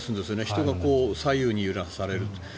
人が左右に揺らされる。